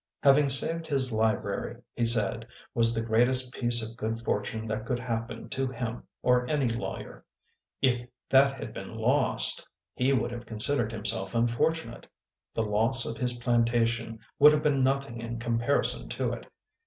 Having saved his library, he said, was the greatest piece of good fortune that could happen to him or any lawyer. If that had been lost, he would have considered himself unfortunate. The loss of his plantation would have been nothing in comparison to it.